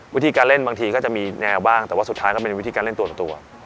วิธีการเล่นบางทีก็จะมีแนวบ้างแต่ว่าสุดท้ายก็เป็นวิธีการเล่นตัวต่อตัว